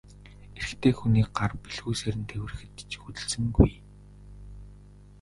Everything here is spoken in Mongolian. Эрэгтэй хүний гар бэлхүүсээр нь тэврэхэд ч хөдөлсөнгүй.